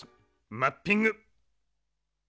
マッピング。